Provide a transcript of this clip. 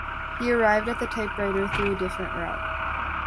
He arrived at the typewriter through a different route.